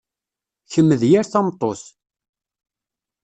Kemm d yir tameṭṭut.